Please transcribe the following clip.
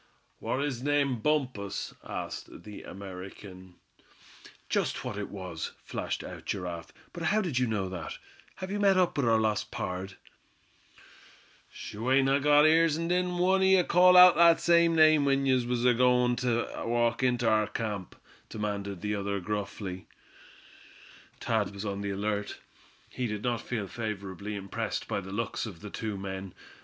"War his name Bumpus?" asked the American. "Just what it was," flashed out Giraffe; "but how did you know that? Have you met up with our lost pard?" "Sho! ain't I got ears, an' didn't one o' ye call out that same name when ye was agoin' ter walk inter our camp?" demanded the other, gruffly. Thad was on the alert. He did not feel favorably impressed by the looks of the two men.